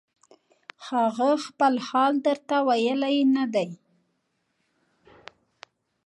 هغه خپل حال درته ویلی نه دی